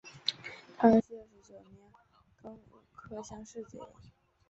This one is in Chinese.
康熙二十九年庚午科乡试解元。